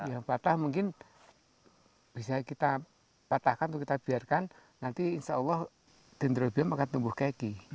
yang patah mungkin bisa kita patahkan atau kita biarkan nanti insya allah dendrobium akan tumbuh keki